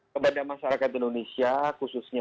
pada masyarakat indonesia khususnya